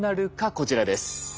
こちらです。